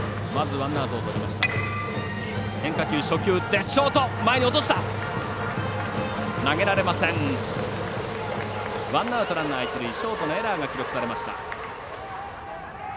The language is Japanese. ワンアウトランナー、一塁ショートのエラーが記録されました。